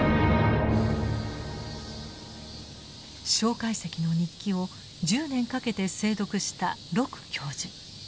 介石の日記を１０年かけて精読した鹿教授。